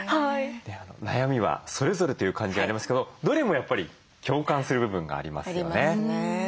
悩みはそれぞれという感じありますけどどれもやっぱり共感する部分がありますよね。ありますね。